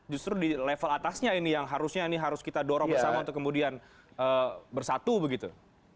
justru di level atasnya ini yang harusnya ini harus kita dorong bersama untuk kemudian bersatu begitu